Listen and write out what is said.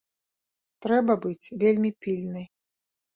Трэба быць вельмі пільнай.